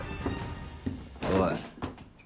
おい。